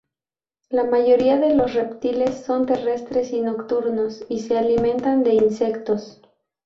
La mayoría de los reptiles son terrestres y nocturnos,y se alimentan de insectos.